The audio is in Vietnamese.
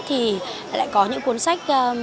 thì lại có những cuốn sách